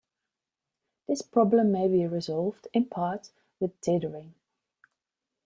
This problem may be resolved, in part, with dithering.